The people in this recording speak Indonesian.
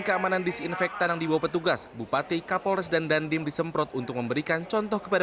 keamanan disinfektan yang dibawa petugas bupati kapolres dan dandim disemprot untuk memberikan contoh kepada